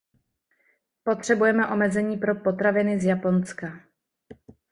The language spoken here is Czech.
Potřebujeme omezení pro potraviny z Japonska.